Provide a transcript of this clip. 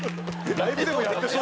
ライブでもやってそう。